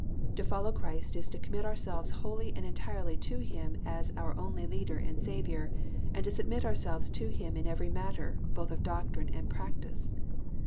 To follow Christ is to commit oarselves wholly and entirely to Him as oar only leader and Savioar, and to sabmit oarselves to Him in every matter, both of doctrine and practice.